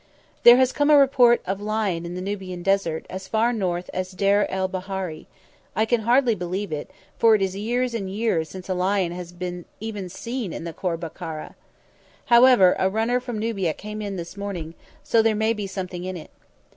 "There has come a report of lion in the Nubian Desert, as far north as Deir el Bahari. I can hardly believe it, for it is years and years since a lion has been seen even in the Khor Baraka. However, a runner from Nubia came in this morning, so there may be something in it.